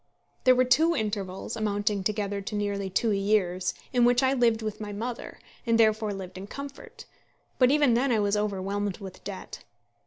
There were two intervals, amounting together to nearly two years, in which I lived with my mother, and therefore lived in comfort, but even then I was overwhelmed with debt.